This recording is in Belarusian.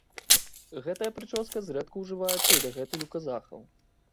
Гэтая прычоска зрэдку ўжываецца і дагэтуль у казахаў.